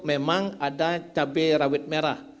memang ada cabai rawit merah